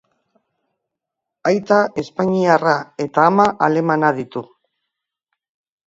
Aita espainiarra eta ama alemana ditu.